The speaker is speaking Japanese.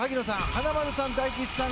華丸さん、大吉さん